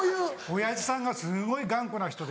親父さんがすごい頑固な人で。